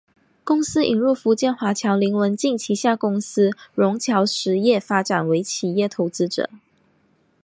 公司引入福建华侨林文镜旗下公司融侨实业发展为企业投资者。